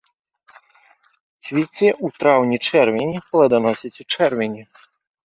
Цвіце ў траўні-чэрвені, пладаносіць у чэрвені.